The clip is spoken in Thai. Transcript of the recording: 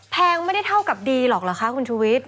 แตงได้เท่ากับดีหละคะคุณชุวิทร